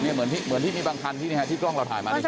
เหมือนที่มีบางคันที่กล้องเราถ่ายมา